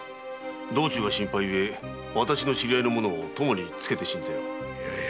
道中が心配ゆえ私の知り合いの者を供につけよう。